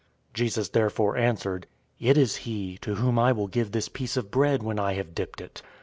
013:026 Jesus therefore answered, "It is he to whom I will give this piece of bread when I have dipped it."